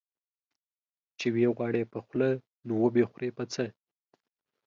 چي وې غواړې په خوله، نو وبې خورې په څه؟